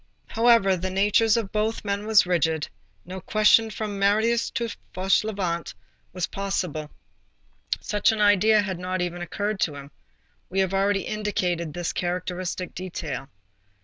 However, the natures of both men were rigid, no question from Marius to M. Fauchelevent was possible. Such an idea had not even occurred to him. We have already indicated this characteristic detail.